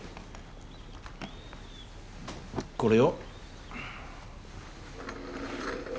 これを。